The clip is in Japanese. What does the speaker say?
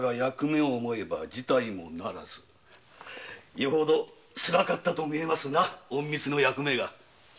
よほどつらかったとみえますな隠密の役目が。